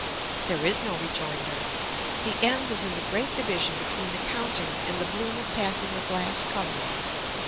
There is no rejoinder. The end is in the great division between the counting and the bloom of passing a glass covering.